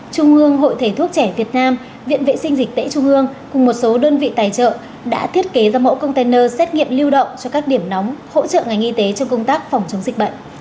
trung ương hội thầy thuốc trẻ việt nam viện vệ sinh dịch tễ trung ương cùng một số đơn vị tài trợ đã thiết kế ra mẫu container xét nghiệm lưu động cho các điểm nóng hỗ trợ ngành y tế trong công tác phòng chống dịch bệnh